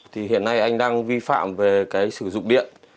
thì hiện nay anh đang vi phạm về cái sử dụng điện